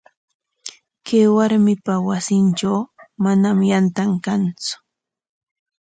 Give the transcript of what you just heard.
Kay warmipa wasintraw manam yantan kantsu.